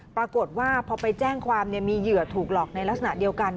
ปรากฏว่าพอไปแจ้งความมีเหยื่อถูกหลอกในลักษณะเดียวกัน